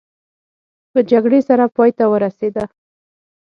په جګړې سره پای ته ورسېده.